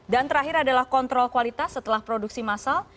dan terakhir adalah kontrol kualitas setelah produksi massal